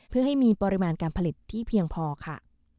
เพื่อให้มีปริมาณการผลิตที่เพียงพอค่ะ